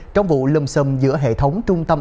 trong vụ lâm sầm giữa hệ thống trung tâm